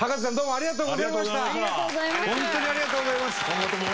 ありがとうございます。